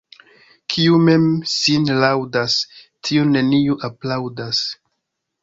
Kiu mem sin laŭdas, tiun neniu aplaŭdas.